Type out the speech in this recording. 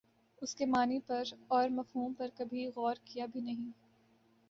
اسکے معانی پر اور مفہوم پر کبھی غورکیا بھی نہیں